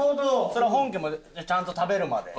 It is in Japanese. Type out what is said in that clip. それは本家もちゃんと食べるまで。